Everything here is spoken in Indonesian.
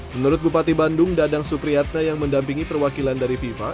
menurut bupati bandung dadang supriyatna yang mendampingi perwakilan dari fifa